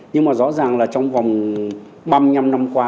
nhưng mà rõ ràng là trong vòng ba mươi năm năm qua